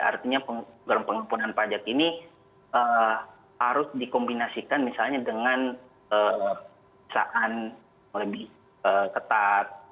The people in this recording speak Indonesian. artinya pengampunan pajak ini harus dikombinasikan misalnya dengan pesaan lebih ketat